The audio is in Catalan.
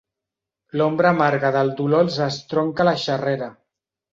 L'ombra amarga del dolor els estronca la xerrera.